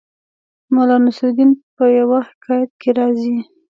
د ملا نصرالدین په یوه حکایت کې راځي